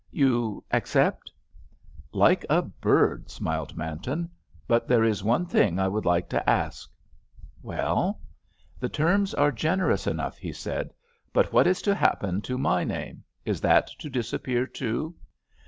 "You accept?" "Like a bird!" smiled Manton. "But there is one thing I would like to ask." "Well?" "The terms are generous enough," he said, "but what is to happen to my name; is that to disappear too?"